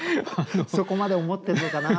そこまで思ってるのかな。